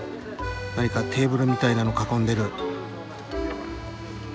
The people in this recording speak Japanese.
何かテーブルみたいなの囲んでる。